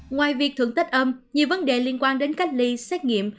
ngoài việc thưởng tết âm nhiều vấn đề liên quan đến cách ly xét nghiệm